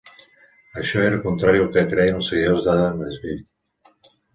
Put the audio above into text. Això era contrari al que creien els seguidors d'Adam Smith.